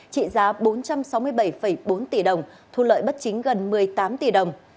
trị giá bốn trăm sáu mươi bảy bốn tỷ đồng thu lợi bất chính gần một mươi tám tỷ đồng